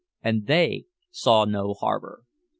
And they saw no harbor.